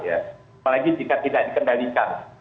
apalagi jika tidak dikendalikan